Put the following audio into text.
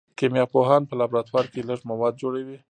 کیمیا پوهان په لابراتوار کې لږ مواد جوړوي.